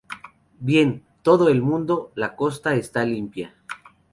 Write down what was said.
¡ Bien, todo el mundo, la costa está limpia!